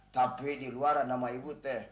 tapi diluar nama ibu teh